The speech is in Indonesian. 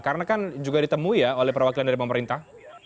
karena kan juga ditemui ya oleh perwakilan dari pemerintah